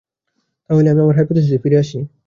তাহলে আমি আমার হাইপোথিসিসে ফিরে আসি।